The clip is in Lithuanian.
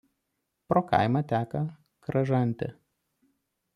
Pro kaimą teka Kražantė.